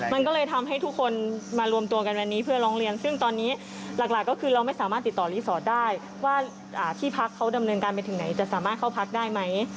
มันก็เลยทำให้ทุกคนมารวมตัวกันวันนี้เพื่อร้องเรียนซึ่งตอนนี้หลักก็คือเราไม่สามารถติดต่อรีสอร์ทได้ว่าที่พักเขาดำเนินการไปถึงไหนจะสามารถเข้าพักได้ไหม